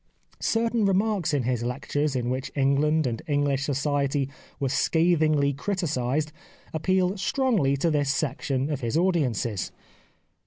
Certain remarks in his lectures in which England and English society were scath ingly criticised appealed strongly to this section of his audiences.